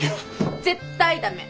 絶対駄目！